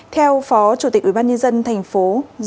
theo phó chủ tịch ubnd tp hcm